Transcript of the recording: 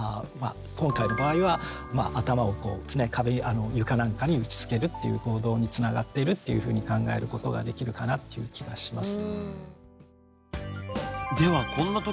今回の場合は頭をこう壁に床なんかに打ちつけるっていう行動につながってるっていうふうに考えることができるかなっていう気がします。